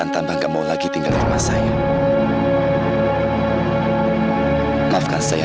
sampai jumpa di video selanjutnya